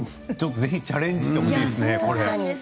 ぜひチャレンジしてもらいたいですね。